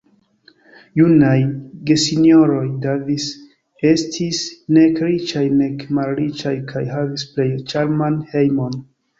Junaj gesinjoroj Davis estis nek riĉaj, nek malriĉaj, kaj havis plej ĉarman hejmon.